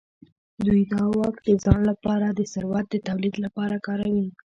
دوی دا واک یوازې د ځان لپاره د ثروت د تولید لپاره کاروي.